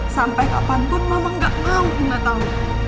sampai kapanpun mama gak mau nggak tahu